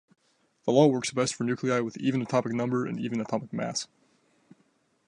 The law works best for nuclei with even atomic number and even atomic mass.